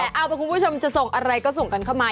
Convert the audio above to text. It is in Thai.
เอาไปครับคุณผู้ชมส่งอะไรมาก็ส่งกันมา